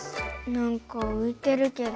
なんかういてるけど。